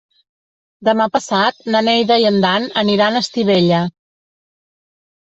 Demà passat na Neida i en Dan aniran a Estivella.